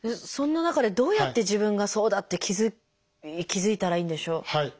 そんな中でどうやって自分がそうだって気付いたらいいんでしょう？